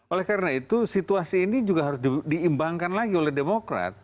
oleh karena itu situasi ini juga harus diimbangkan lagi oleh demokrat